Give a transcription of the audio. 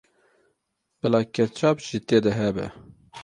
Bila ketçap jî tê de hebe.